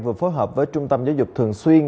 vừa phối hợp với trung tâm giáo dục thường xuyên